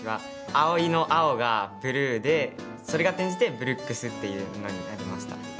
碧生の「碧」が「ブルー」でそれが転じて「ブルックス」っていうのになりました。